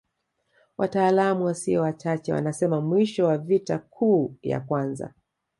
Wataalamu wasio wachache wanasema mwisho wa vita kuu ya kwanza